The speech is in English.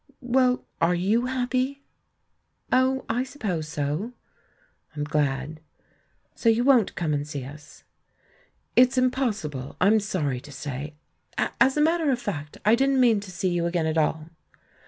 ... Well, are ^/o?/' happy?" "Oh, I suppose so." "I'm glad." "So you won't come and see us?" "It's impossible, I'm sorry to say. ... As a matter of fact, I didn't mean to see you again at all."